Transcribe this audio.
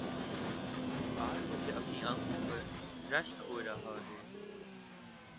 آج مجھے اپنی انکھوں پر رشک ہو رہا تھا